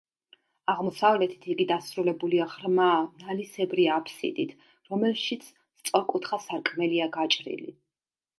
აღმოსავლეთით იგი დასრულებულია ღრმა, ნალისებრი აფსიდით, რომელშიც სწორკუთხა სარკმელია გაჭრილი.